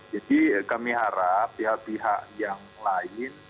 jadi kami harap pihak pihak yang lain